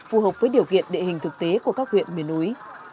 phù hợp với điều kiện địa hình thực tế của các huyện miền núi